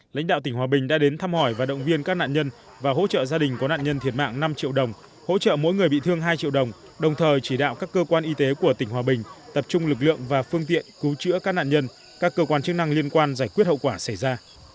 lãnh đạo tỉnh hòa bình đã đến thăm hỏi và động viên các nạn nhân và hỗ trợ gia đình có nạn nhân thiệt mạng năm triệu đồng hỗ trợ mỗi người bị thương hai triệu đồng đồng thời chỉ đạo các cơ quan y tế của tỉnh hòa bình tập trung lực lượng và phương tiện cứu chữa các nạn nhân các cơ quan chức năng liên quan giải quyết hậu quả xảy ra